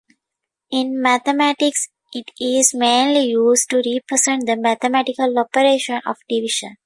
In mathematics it is mainly used to represent the mathematical operation of division.